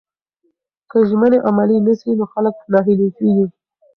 که ژمنې عملي نسي نو خلک ناهیلي کیږي.